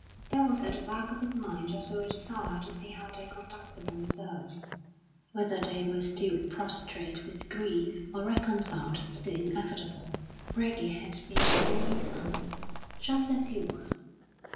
There was at the back of his mind also a desire to see how they conducted themselves, whether they were still prostrate with grief or reconciled to the inevitable. Reggie had been an only son just as he was.